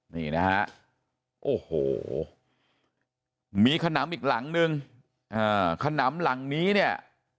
นี่นะฮะโอ้โหมีขนำอีกหลังนึงขนำหลังนี้เนี่ย